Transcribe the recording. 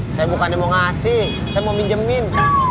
saya bukan mau ngasih saya mau minjemin